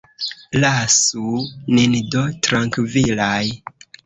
Lasu nin do trankvilaj.